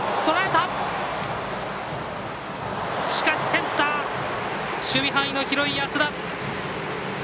センター守備範囲の広い安田！